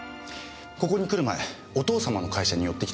ここに来る前お父様の会社に寄ってきたんです。